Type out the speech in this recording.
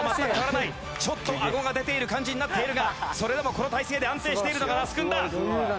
ちょっとあごが出ている感じになっているがそれでもこの体勢で安定しているのが那須君だ。